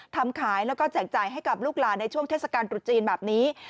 ทำขายแล้วก็แจกจ่ายให้กับลูกหลานในช่วงเทศกาลตรุษจีนแบบนี้